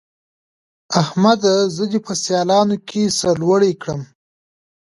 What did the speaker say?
احمده! زه دې په سيالانو کې سر لوړی کړم.